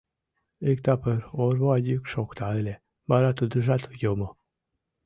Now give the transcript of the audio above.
Иктапыр орва йӱк шокта ыле, вара тудыжат йомо.